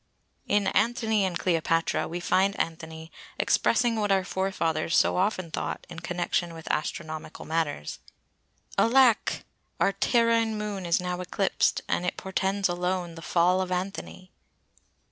In Anthony and Cleopatra we find Anthony expressing what our forefathers so often thought in connection with astronomical matters:— "Alack, our terrine Moon is now eclipsed; And it portends alone The fall of Anthony!"